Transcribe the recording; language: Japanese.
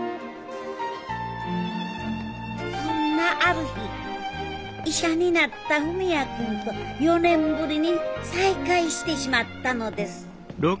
そんなある日医者になった文也君と４年ぶりに再会してしまったのです。